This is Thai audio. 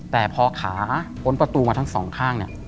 แต่พอขาบนประตูมาทั้งสองข้าง